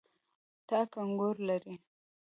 تاک انګور لري.